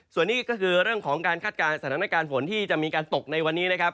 ส่วนนี้ก็คือเรื่องของการคาดการณ์สถานการณ์ฝนที่จะมีการตกในวันนี้นะครับ